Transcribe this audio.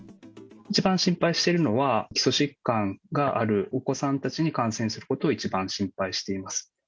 一番心配しているのは基礎疾患があるお子さんたちに感染することを一番心配しています。